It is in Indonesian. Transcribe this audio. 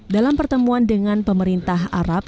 dalam pertemuan dengan pemerintah arab